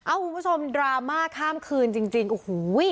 คุณผู้ชมดราม่าข้ามคืนจริงโอ้โห